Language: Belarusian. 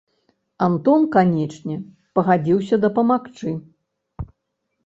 Антон, канечне, пагадзіўся дапамагчы.